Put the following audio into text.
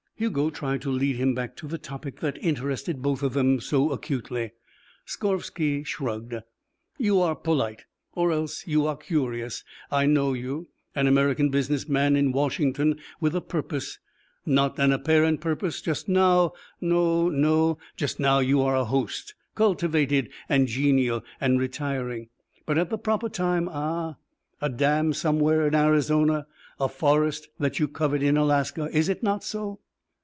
Hugo tried to lead him back to the topic that interested both of them so acutely. Skorvsky shrugged. "You are polite or else you are curious. I know you an American business man in Washington with a purpose. Not an apparent purpose just now. No, no. Just now you are a host, cultivated and genial, and retiring. But at the proper time ah! A dam somewhere in Arizona. A forest that you covet in Alaska. Is it not so?"